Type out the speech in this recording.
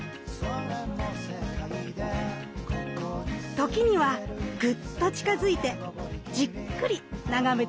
時にはグッと近づいてじっくり眺めてみませんか。